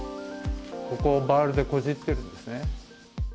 ここをバールでこじあけてるんですね。